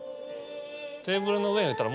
テーブルの上に置いたら